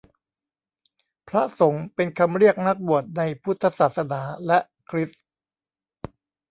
พระสงฆ์เป็นคำเรียกนักบวชในพุทธศาสนา และคริสต์